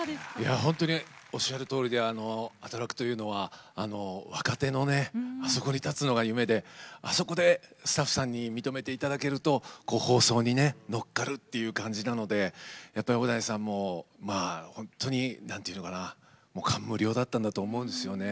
本当におっしゃるとおりでアトラクというのは、若手のあそこに立つのが夢であそこでスタッフさんに認めていただけると放送にのっかるっていう感じなのでやっぱり小田井さんに本当に、なんていうのかな感無量だったんだと思うんですよね。